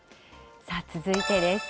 さあ続いてです。